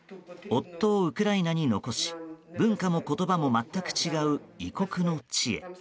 夫をウクライナに残し文化も言葉も全く違う異国の地へ。